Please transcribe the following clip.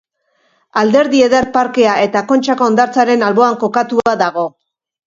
Alderdi Eder parkea eta Kontxako hondartzaren alboan kokatua dago.